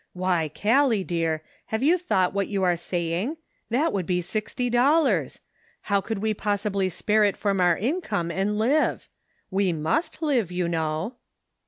" Why, Gallic, dear, have you thought what you are saying? That would be sixty dollars ! How could we possibly spare it from our income and live ? We must live, you know."